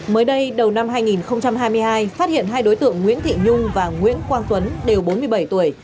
mới đây đầu năm hai nghìn hai mươi hai phát hiện hai đối tượng nguyễn thị nhung và nguyễn quang tuấn đều bốn mươi bảy tuổi